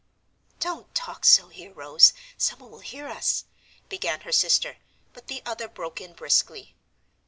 "Don't talk so here, Rose, someone will hear us," began her sister, but the other broke in briskly.